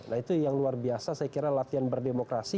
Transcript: nah itu yang luar biasa saya kira latihan berdemokrasi